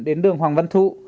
đến đường hoàng văn thụ